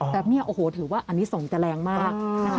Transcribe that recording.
แบบนี้ถือว่าอันนี้ส่งจะแรงมาก